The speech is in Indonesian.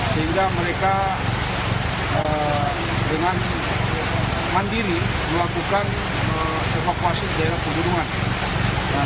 sehingga mereka dengan mandiri melakukan evakuasi ke daerah pegunungan